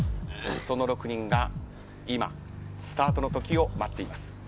その６人が今スタートのときを待っています。